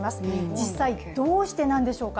実際どうしてなんでしょうか。